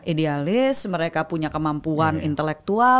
idealis mereka punya kemampuan intelektual